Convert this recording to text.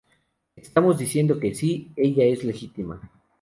Estamos diciendo que sí, ella es legítima.